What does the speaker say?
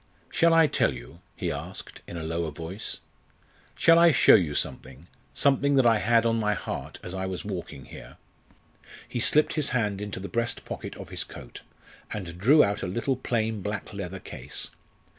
"Shall I tell you," he asked, in a lower voice "shall I show you something something that I had on my heart as I was walking here?" He slipped his hand into the breast pocket of his coat, and drew out a little plain black leather case.